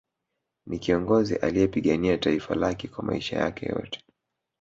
Ni kiongozi aliyepigania taifa lake kwa maisha yake yote